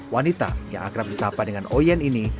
wanita yang akrab bersahabat dengan oyen ini